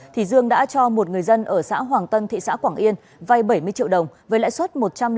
trần văn dương đã cho một người dân ở xã hoàng tân thị xã quảng yên vay bảy mươi triệu đồng với lãi suất một trăm linh chín năm